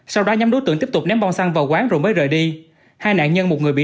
sau đó nhóm đối tượng tiếp tục ném bom xăng vào quán rồi mới rời đi hai nạn nhân một người bị